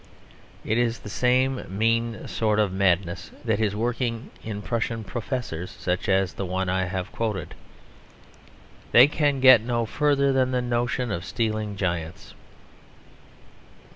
It is the same mean sort of madness that is working in Prussian professors such as the one I have quoted. They can get no further than the notion of stealing giants.